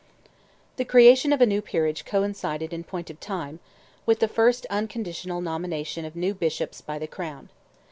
The creation of a new peerage coincided in point of time with the first unconditional nomination of new Bishops by the Crown.